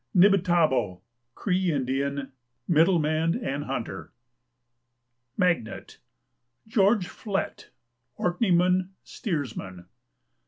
Nibitabo, Cree Indian, ditto and hunter. MAGNET. George Flett, Orkneyman, Steersman.